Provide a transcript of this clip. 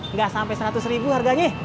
nggak sampai seratus ribu harganya